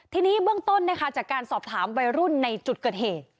ทีนี้เบื้องต้นนะคะจากการสอบถามวัยรุ่นในจุดเกิดเหตุ